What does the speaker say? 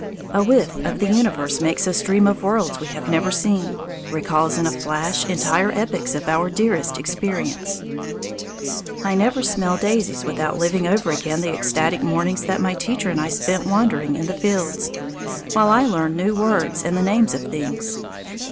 A whiff of the universe makes us dream of worlds we have never seen, recalls in a flash entire epochs of our dearest experience. I never smell daisies without living over again the ecstatic mornings that my teacher and I spent wandering in the fields, while I learned new words and the names of things.